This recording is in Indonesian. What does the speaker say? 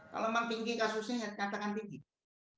kalau memang tinggi kasusnya katakan tinggi